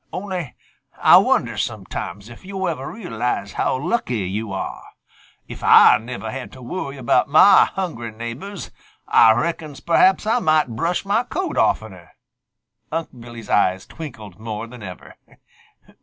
Only Ah wonder sometimes if yo' ever realize how lucky yo' are. If Ah never had to worry about mah hungry neighbors, Ah reckons perhaps Ah might brush mah coat oftener." Unc' Billy's eyes twinkled more than ever.